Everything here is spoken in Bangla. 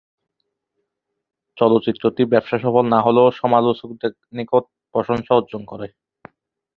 চলচ্চিত্রটি ব্যবসাসফল না হলেও সমালোচকদের নিকট প্রশংসা অর্জন করে।